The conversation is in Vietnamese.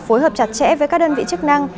phối hợp chặt chẽ với các đơn vị chức năng